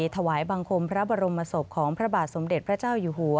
ถวายบังคมพระบรมศพของพระบาทสมเด็จพระเจ้าอยู่หัว